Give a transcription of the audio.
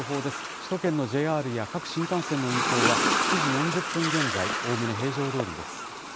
首都圏のＪＲや各新幹線の運行は、７時４０分現在、おおむね平常どおりです。